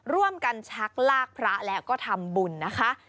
ร่วมกันชักลากพระและก็ทำบุญนะคะ